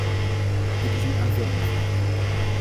Dit is een aanvullende vraag.